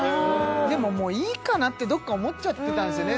でももういいかなってどこか思っちゃってたんすよね